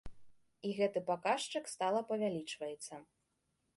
І гэты паказчык стала павялічваецца.